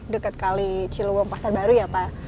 dekat kali ciliwung pasar baru ya pak